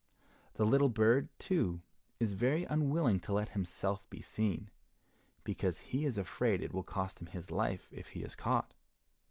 The little bird, too, is very unwilling to let himself be seen, because he is afraid it will cost him his life if he is caught.